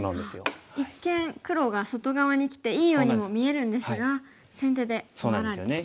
一見黒が外側にきていいようにも見えるんですが先手で回られてしまうんですね。